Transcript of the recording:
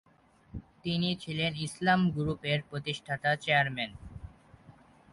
তিনি ছিলেন "ইসলাম গ্রুপ" এর প্রতিষ্ঠাতা-চেয়ারম্যান।